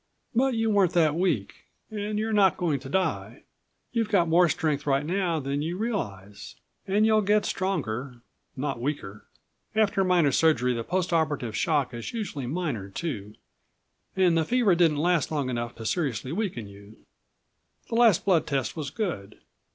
But you weren't that weak, and you're not going to die. You've got more strength right now than you realize. And you'll get stronger not weaker. After minor surgery the post operative shock is usually minor too, and the fever didn't last long enough to seriously weaken you. The last blood test was good.